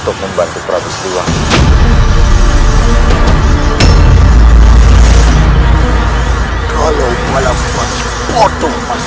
selasi selasi bangun